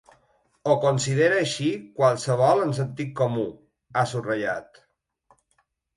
“Ho considera així qualsevol amb sentit comú”, ha subratllat.